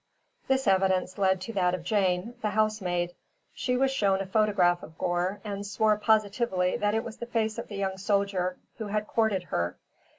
This evidence led to that of Jane, the housemaid. She was shown a photograph of Gore and swore positively that it was the face of the young soldier who had courted her.